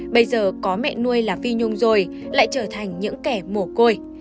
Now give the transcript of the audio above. bây giờ có mẹ nuôi là phi nhung rồi lại trở thành những kẻ mồ côi